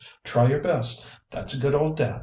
Try your best, that's a good old dad!